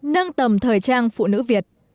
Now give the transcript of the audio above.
nâng tầm thời trang phụ nữ việt